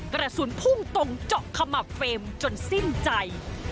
กระสุนพุ่งตรงเจาะขมับเฟรมจนสิ้นใจ